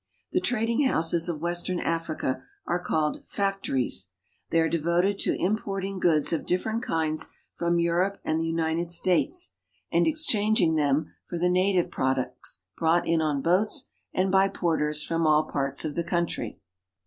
The trading houses of western Africa are called factories. y are devoted to importing goods of different kinds 1 Europe and the United States, and exchanging them r208 AFRICA for the native products brought in on boats and by porters from all parts of the country.